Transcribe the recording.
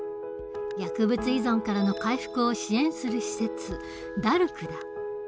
薬物依存からの回復を支援する施設ＤＡＲＣだ。